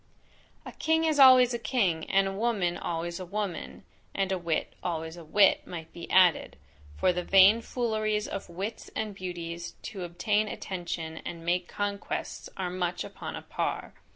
A king is always a king, and a woman always a woman: (And a wit, always a wit, might be added; for the vain fooleries of wits and beauties to obtain attention, and make conquests, are much upon a par.)